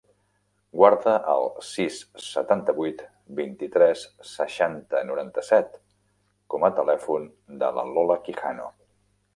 Guarda el sis, setanta-vuit, vint-i-tres, seixanta, noranta-set com a telèfon de la Lola Quijano.